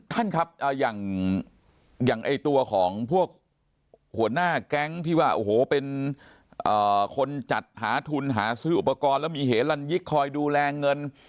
ท่านครับอย่างตัวของพวกหัวหน้าแก๊งที่ว่าโอ้โหเป็นคนจัดหาทุนหาซื้ออุปกรณ์แล้วมีเหลันยิกคอยดูแลเงิน